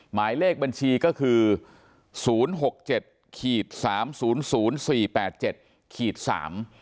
หมายเลขบัญชีก็คือศูนย์หกเจ็ดขีดสามศูนย์ศูนย์สี่แปดเจ็ดขีดสาม